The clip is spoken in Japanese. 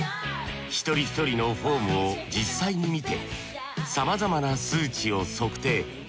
一人一人のフォームを実際に見てさまざまな数値を測定。